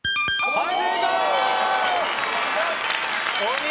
はい。